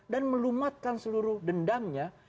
dan melumatkan seluruh dendamnya